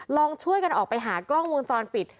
ลองช่วยกันออกไปหากล้องวงจรปิด